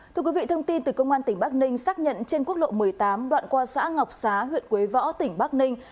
thưa quý vị thông tin từ công an tỉnh bắc ninh xác nhận trên quốc lộ một mươi tám đoạn qua xã ngọc xá huyện quế võ tỉnh bắc ninh